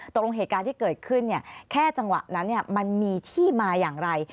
เหตุการณ์ที่เกิดขึ้นแค่จังหวะนั้นมันมีที่มาอย่างไร